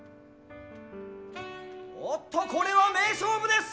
おっとこれは名勝負です！